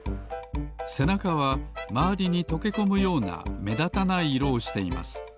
せなかはまわりにとけこむようなめだたない色をしています。